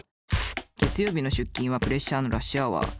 月曜日の出勤はプレッシャーのラッシュアワー。